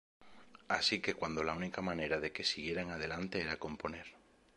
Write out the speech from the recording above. Así que cuando la única manera de que siguieran adelante era componer.